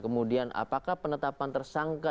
kemudian apakah penetapan tersangka